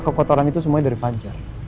pacer amat pak